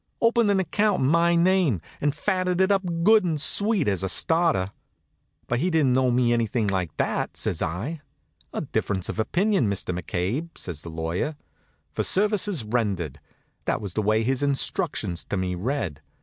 Opened an account in my name, and fatted it up good and sweet, as a starter. "But he didn't owe me anything like that," says I. "A difference of opinion, Mr. McCabe," says the lawyer. "'For services rendered,' that was the way his instructions to me read.